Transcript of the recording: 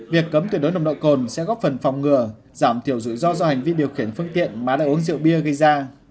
việc cấm tuyệt đối nồng độ cồn sẽ góp phần phòng ngừa giảm thiểu rủi ro do hành vi điều khiển phương tiện mà đã uống rượu bia gây ra